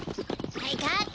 はいカット！